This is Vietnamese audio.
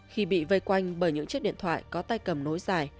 khi bị vây quanh bởi những chiếc điện thoại có tay cầm nối dài